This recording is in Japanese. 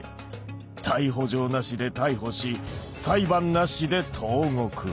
逮捕状なしで逮捕し裁判なしで投獄。